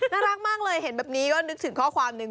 น่ารักมากเลยเห็นแบบนี้ก็นึกถึงข้อความนึง